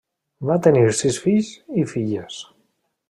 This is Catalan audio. Va tenir sis fills i filles.